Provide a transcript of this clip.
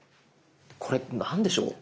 これ何でしょう？